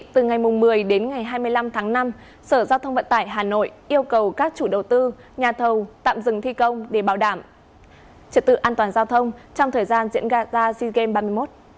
từ ngày một mươi đến ngày hai mươi năm tháng năm sở giao thông vận tải hà nội yêu cầu các chủ đầu tư nhà thầu tạm dừng thi công để bảo đảm trật tự an toàn giao thông trong thời gian diễn ra ta sea games ba mươi một